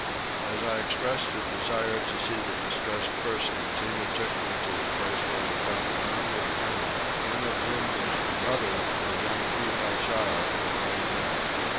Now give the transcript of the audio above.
As I expressed a desire to see the distressed person Tinah took me to the place where we found a number of women, one of whom was the mother of a young female child that lay dead.